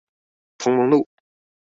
同盟路